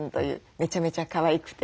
めちゃめちゃかわいくて。